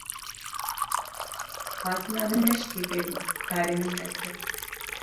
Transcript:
Hatina min ne ji kêfê bû, karê min derket.